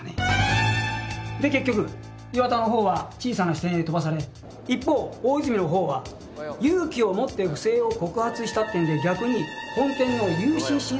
で結局岩田のほうは小さな支店へ飛ばされ一方大泉のほうは勇気を持って不正を告発したっていうんで逆に本店の融資審査部に大抜擢。